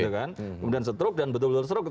kemudian setruk dan betul betul setruk